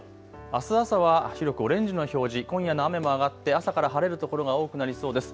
あす朝は広くオレンジの表示、今夜の雨も上がって朝から晴れる所が多くなりそうです。